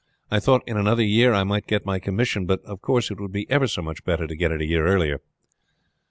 "I thought in another year I might get my commission; but of course it would be ever so much better to get it a year earlier."